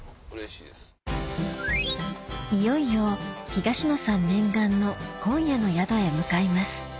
いよいよ東野さん念願の今夜の宿へ向かいます